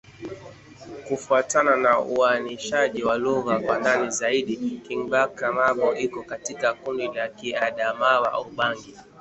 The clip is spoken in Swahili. Kufuatana na uainishaji wa lugha kwa ndani zaidi, Kingbaka-Ma'bo iko katika kundi la Kiadamawa-Ubangi.